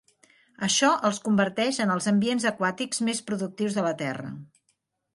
Això els converteix en els ambients aquàtics més productius de la Terra.